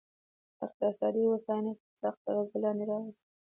اقتصادي هوساینه تر سخت اغېز لاندې راوستل.